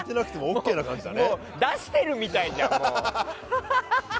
出してるみたいじゃん。